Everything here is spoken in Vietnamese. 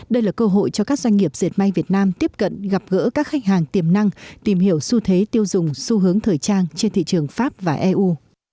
đây là cơ hội cho các doanh nghiệp diệt may việt nam tiếp cận gặp gỡ các khách hàng tiềm năng tìm hiểu xu thế tiêu dùng xu hướng thời trang trên thị trường pháp và eu